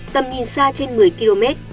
tầm nhìn xa trên một mươi km